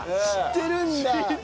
知ってるんだ。